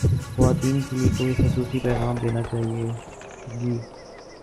خواتین کے لئے کوئی خصوصی پیغام دینا چاہیے گی